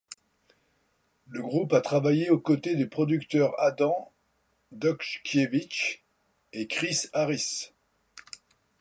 Le groupe a travaillé aux côtés des producteurs Adam Dutkiewicz, et Chris Harris.